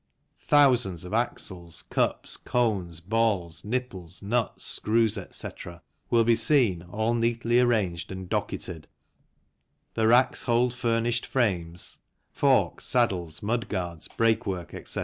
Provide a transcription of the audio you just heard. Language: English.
Thousands of axles, cups, cones, balls, nipples, nuts, screws, etc., will be seen all neatly arranged and docketed, the racks hold finished frames, forks, saddles, mudguards, brake work, etc.